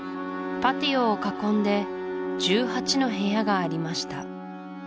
パティオを囲んで１８の部屋がありました